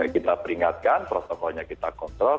kita peringatkan protokolnya kita kontrol